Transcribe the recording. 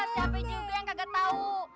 siapa juga yang kagak tahu